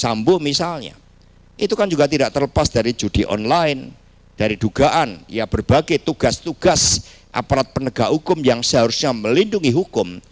sambo misalnya itu kan juga tidak terlepas dari judi online dari dugaan berbagai tugas tugas aparat penegak hukum yang seharusnya melindungi hukum